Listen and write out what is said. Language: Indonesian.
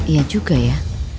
iya juga ya